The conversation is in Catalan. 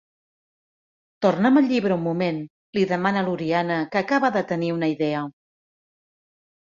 Torna'm el llibre un moment —li demana l'Oriana, que acaba de tenir una idea—.